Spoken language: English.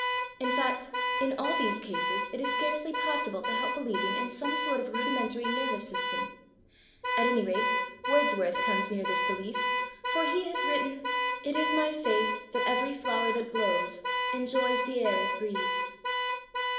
In fact, in all these cases, it is scarcely possible to help believing in some sort of rudimentary nervous system. At any rate Wordsworth comes near this belief, for he has written: "It is my faith, that every flower that blows Enjoys the air it breathes."